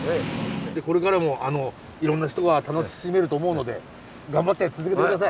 これからもいろんな人が楽しめると思うので頑張って続けて下さい。